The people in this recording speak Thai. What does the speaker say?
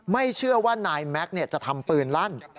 ไม่เชื่อว่านายแม็กซ์จะทำปืนลั่น